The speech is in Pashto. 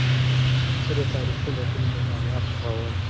زه د تاریخي متونو مطالعه خوښوم.